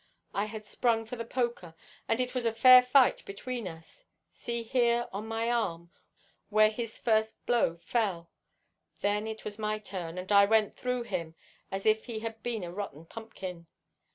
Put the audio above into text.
I had sprung for the poker, and it was a fair fight between us. See here on my arm where his first blow fell. Then it was my turn, and I went through him as if he had been a rotten pumpkin.